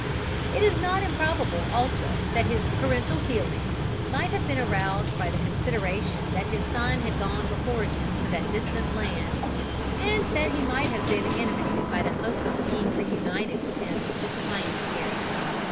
It is not improbable also that his parental feelings might have been aroused by the consideration that his son had gone before him to that distant land; and that he might have been animated by the hope of being reunited with him in his declining years.